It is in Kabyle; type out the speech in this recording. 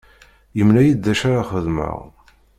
Yemla-iyi-d d acu ara xedmeɣ.